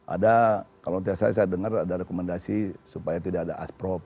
ada kalau tidak salah saya dengar ada rekomendasi supaya tidak ada asprop